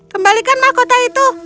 kembalikan mahkota itu